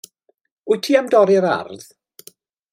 Wyt ti am dorri'r ardd?